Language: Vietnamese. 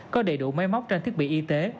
có đầy đủ máy móc trang thiết bị y tế